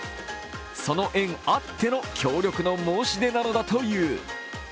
その縁あっての、協力の申し出なのだという。